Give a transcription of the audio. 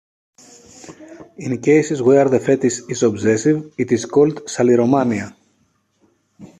In cases where the fetish is obsessive it is called saliromania.